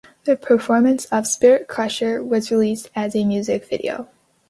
The performance of "Spirit Crusher" was released as a music video.